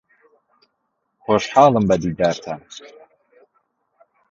خۆشحاڵم بە دیدارتان.